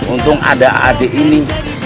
untung ada adik ini